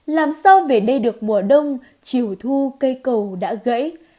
làm sao về đây được mùa đông chiều thu cây cầu đã gãy